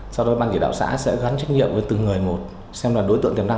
sau đó ban chỉ đạo xã sẽ gắn trách nhiệm với từng người một xem là đối tượng tiềm năng